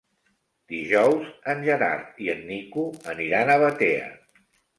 Dijous en Gerard i en Nico aniran a Batea.